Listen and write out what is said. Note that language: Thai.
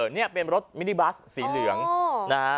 นี่เป็นรถมินิบัสสีเหลืองนะฮะ